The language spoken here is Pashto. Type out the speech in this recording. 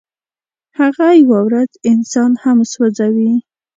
هغه یوه ورځ انسان هم سوځوي.